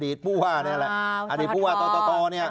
อดีตผู้ห้าเนี่ยแหละอดีตผู้ห้าต่อเนี่ย